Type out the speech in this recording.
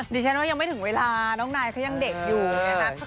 ดิฉันว่ายังไม่ถึงเวลาน้องนายเขายังเด็กอยู่นะคะ